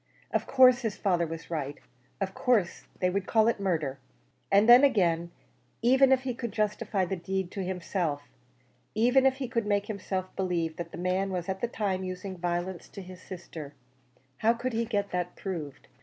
Of course his father was right; of course they would call it murder. And then again, even if he could justify the deed to himself even if he could make himself believe that the man was at the time using violence to his sister how could he get that proved?